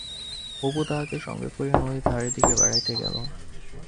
অপু তাহাকে সঙ্গে করিয়া নদীর ধারের দিকে বেড়াইতে গেল।